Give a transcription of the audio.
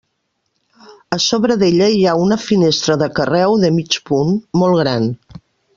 A sobre d'ella hi ha una finestra de carreu, de mig punt, molt gran.